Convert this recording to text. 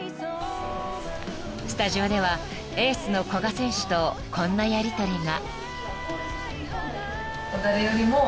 ［スタジオではエースの古賀選手とこんなやりとりが］